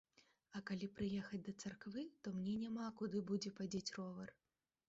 А калі прыехаць да царквы, то мне няма куды будзе падзець ровар.